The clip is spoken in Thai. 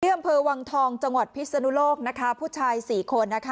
ที่อำเภอวังทองจังหวัดพิศนุโลกผู้ชาย๔คน